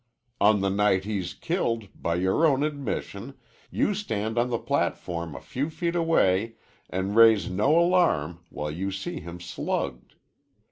On the night he's killed, by your own admission, you stand on the platform a few feet away an' raise no alarm while you see him slugged.